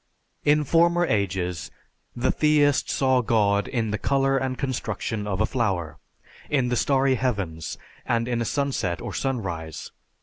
In former ages the theist saw God in the color and construction of a flower, in the starry heavens, and in a sunset or sunrise.